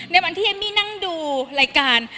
ในวันที่เอมมี่นั่งดูรายการ